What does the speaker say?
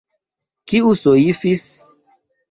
Kiu soifis?